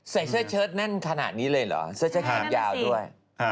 ใส่เสื้อเชิดแน่นขนาดนี้เลยเหรอเสื้อแขนยาวด้วย